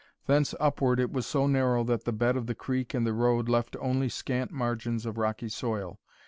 Thence upward it was so narrow that the bed of the creek and the road left only scant margins of rocky soil.